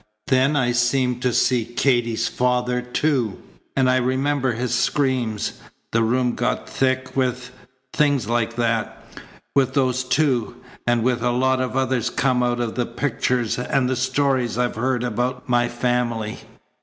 Then I seemed to see Katy's father, too; and I remembered his screams. The room got thick with, things like that with those two, and with a lot of others come out of the pictures and the stories I've heard about my family."